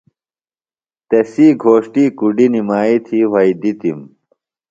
تسی گھوݜٹی کُڈیۡ نِمائی تھی وھئیدِتِم۔